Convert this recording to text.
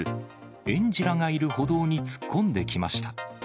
園児らがいる歩道に突っ込んできました。